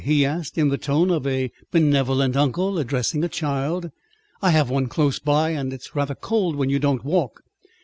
he asked, in the tone of a benevolent uncle addressing a child. "I have one close by, and it's rather cold when you don't walk."